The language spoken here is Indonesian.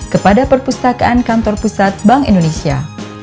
kepada perpustakaan kantor pusat bank indonesia